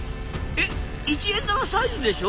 えっ一円玉サイズでしょ？